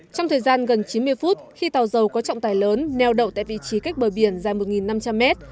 trong thời gian gần chín mươi phút khi tàu dầu có trọng tài lớn neo đậu tại vị trí cách bờ biển dài một năm trăm linh mét